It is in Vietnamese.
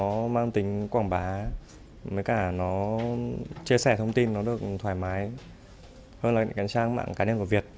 bởi vì nó mang tính quảng bá với cả nó chia sẻ thông tin nó được thoải mái hơn là cái trang mạng cá nhân của việt